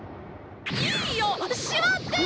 いいよ！しまってよ！